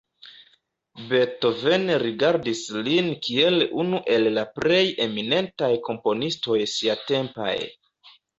Beethoven rigardis lin kiel unu el la plej eminentaj komponistoj siatempaj.